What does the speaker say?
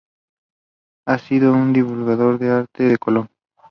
Ha sido un divulgador del arte de Colombia.